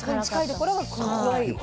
はい。